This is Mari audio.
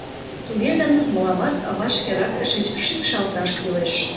Туге гын, мыламат вашкерак тышеч шикшалташ кӱлеш.